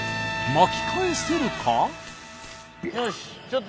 巻き返せるか？